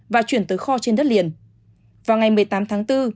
vào ngày một mươi tám tháng bốn